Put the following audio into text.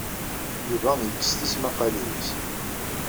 Yuba yekkes tismaqqalin-is.